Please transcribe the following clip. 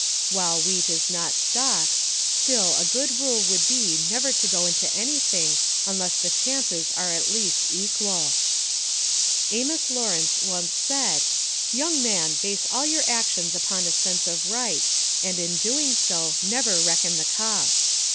While wheat is not stocks, still a good rule would be never to go into anything unless the chances are at least equal. Amos Lawrence once said: "Young man, base all your actions upon a sense of right, and in doing so, never reckon the cost."